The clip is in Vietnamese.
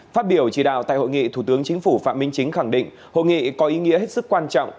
phát biểu chỉ đạo tại hội nghị thủ tướng chính phủ phạm minh chính khẳng định hội nghị có ý nghĩa hết sức quan trọng